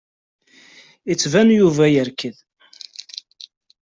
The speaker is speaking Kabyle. Yettban-d Yuba yerked.